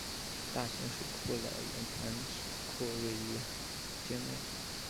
大型水库老营盘水库位于境内。